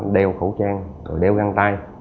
đeo khẩu trang đeo găng tay